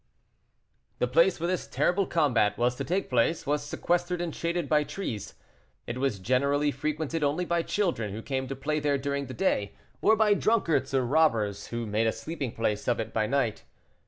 The place where this terrible combat was to take place was sequestered and shaded by trees. It was generally frequented only by children, who came to play there during the day, or by drunkards or robbers, who made a sleeping place of it by night.